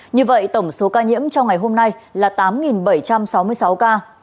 như vậy tổng số ca nhiễm trong ngày hôm nay là tám bảy trăm sáu mươi sáu ca